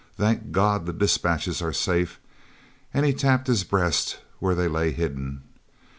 Thank God the dispatches are safe," and he tapped his breast, where they lay hidden.